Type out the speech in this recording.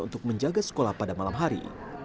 untuk menjaga sekolah pada malam hari